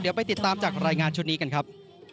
เดี๋ยวไปติดตามจากรายงานชุดนี้กันครับ